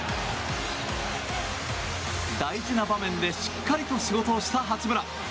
大事な場面でしっかりと仕事をした八村。